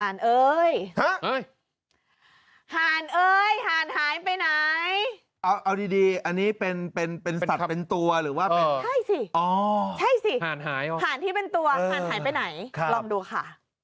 ห่านเอ้ยห่านเอ้ยห่านหายไปไหนเอาดีอันนี้เป็นสัตว์เป็นตัวหรือว่าใช่สิห่านที่เป็นตัวห่านหายไปไหนลองดูค่ะ